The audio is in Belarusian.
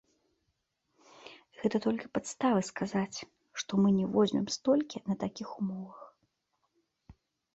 Гэта толькі падставы сказаць, што мы не возьмем столькі на такіх умовах.